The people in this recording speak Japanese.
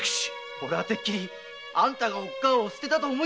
俺はてっきりあんたがおっかぁを捨てたと思い込んで！